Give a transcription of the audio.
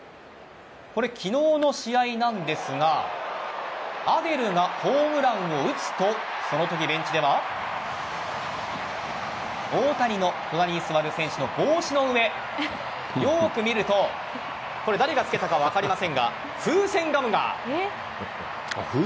これは昨日の試合なんですがアデルがホームランを打つとそのとき、ベンチでは大谷の隣に座る選手の帽子の上よく見ると誰がつけたか分かりませんが風船ガムが。